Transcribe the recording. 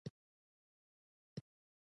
بلال ارزو زموږ پخوانی ستوری و.